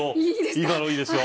今のいいですよ